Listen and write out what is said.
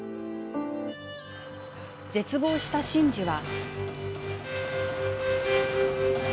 絶望した真治は。